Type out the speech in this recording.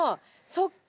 そっか。